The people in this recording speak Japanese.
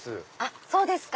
そうですか。